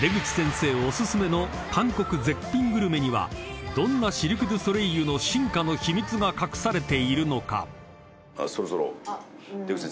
お薦めの韓国絶品グルメにはどんなシルク・ドゥ・ソレイユの進化の秘密が隠されているのか？］